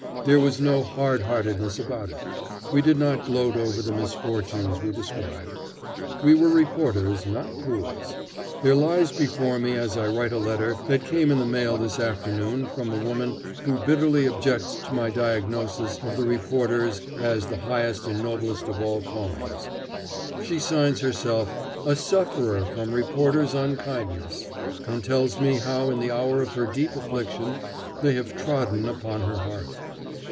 There was no hard heartedness about it. We did not gloat over the misfortunes we described. We were reporters, not ghouls. There lies before me as I write a letter that came in the mail this afternoon from a woman who bitterly objects to my diagnosis of the reporter's as the highest and noblest of all callings. She signs herself "a sufferer from reporters' unkindness," and tells me how in the hour of her deep affliction they have trodden upon her heart.